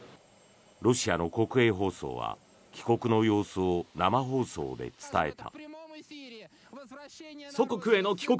ロシアの国営放送は帰国の様子を生放送で伝えた。